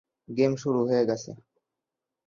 Game শুরু হয়ে গেছে।